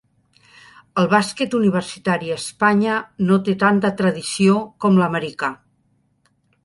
El bàsquet universitari a Espanya no té tanta tradició com l'americà.